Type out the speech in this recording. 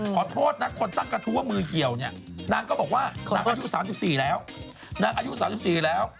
ขอโทษนะคนตั้งกระทู้ว่ามือเขี่ยวเนี่ยนางก็บอกว่านางอายุ๓๔แล้ว